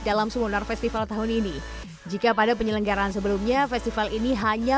dalam sumur festival tahun ini jika pada penyelenggaraan sebelumnya festival ini hanya